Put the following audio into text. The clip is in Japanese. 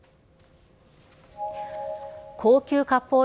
高級かっぽう